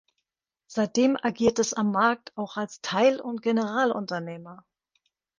Seitdem agiert es am Markt auch als Teil- und Generalunternehmer.